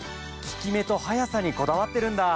効き目と速さにこだわってるんだ。